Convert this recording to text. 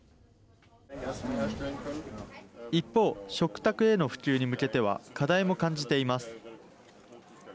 一方、食卓への普及に向けては課題も感じています。